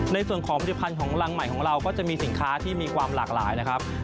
ในส่วนของผลิตภัณฑ์ของรังใหม่ของเราก็จะมีสินค้าที่มีความหลากหลายนะครับ